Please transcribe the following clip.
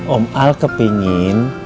om al kepengen